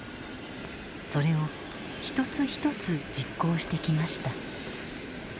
それを一つ一つ実行してきました。